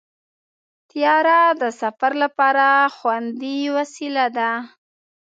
طیاره د سفر لپاره خوندي وسیله ده.